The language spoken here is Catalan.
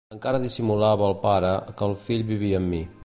Encara dissimulava al pare que el fill vivia amb mi.